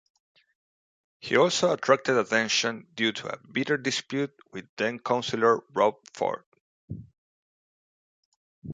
He also attracted attention due to a bitter dispute with then-councillor Rob Ford.